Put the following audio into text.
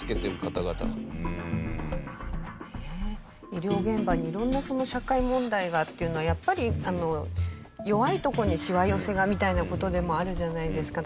医療現場に色んな社会問題がっていうのはやっぱり弱いところにしわ寄せがみたいな事でもあるじゃないですか。